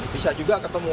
bisa juga ketemu